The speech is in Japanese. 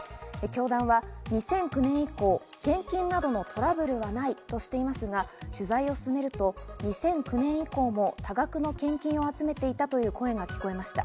教団は２００９年以降、献金などのトラブルはないとしていますが、取材を進めると２００９年以降も多額の献金を集めていたという声が聞こえました。